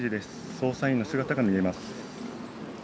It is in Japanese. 捜査員の姿が見えます。